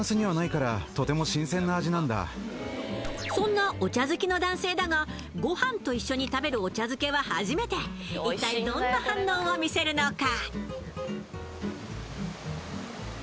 そんなお茶好きの男性だがご飯と一緒に食べるお茶漬けは初めて一体どんな反応を見せるのか？